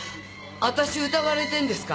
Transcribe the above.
私疑われてるんですか？